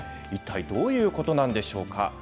一体どういうことなんでしょうか。